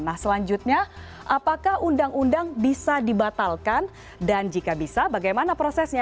nah selanjutnya apakah undang undang bisa dibatalkan dan jika bisa bagaimana prosesnya